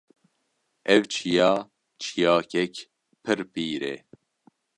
Ev çiya çiyakek pir pîr e